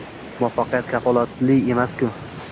muvaffaqiyat kafolati emas ekan.